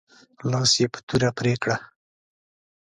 لاس یې په توره پرې کړ.